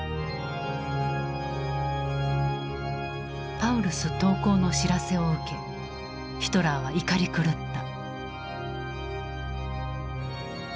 パウルス投降の知らせを受けヒトラーは怒り狂った。